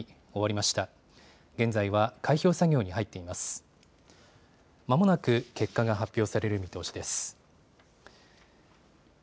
まもなく結果が発表される見通しです。